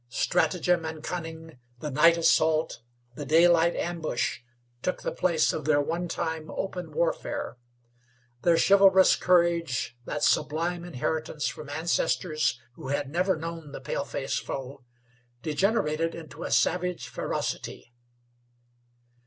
Stratagem and cunning, the night assault, the daylight ambush took the place of their one time open warfare. Their chivalrous courage, that sublime inheritance from ancestors who had never known the paleface foe, degenerated into a savage ferocity.